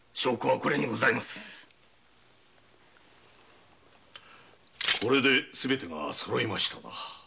これですべてがそろいましたな。